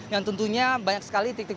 yang tentunya banyak sekali